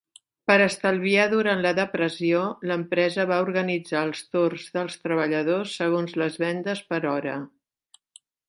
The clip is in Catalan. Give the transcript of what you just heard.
Per estalviar durant la Depressió, l'empresa va organitzar els torns dels treballadors segons les vendes per hora.